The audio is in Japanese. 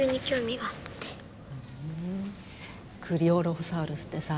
ふんクリオロフォサウルスってさ